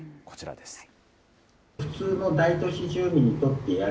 こちらです。